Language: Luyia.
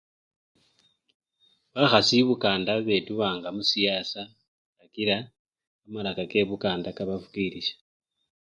Bakhasi ibukanda betubanga musiyasa, kakila kamalaka kebukanda kabafukilisha.